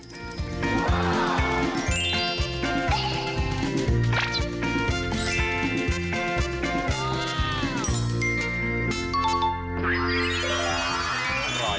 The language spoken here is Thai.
คุณธันวาขายกลิ่นกิโลกรัมละ๓๕๖๐บาท